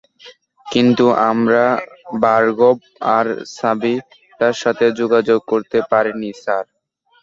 কিন্তু আমরা ভার্গব আর সাবিতার সাথে যোগাযোগ করতে পারিনি, স্যার।